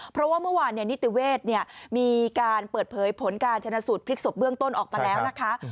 เพราะว่าเมื่อวานนิติเวศมีการเปิดเผยผลการชนะสูตรพลิกศพเบื้องต้นออกมาแล้วนะคะ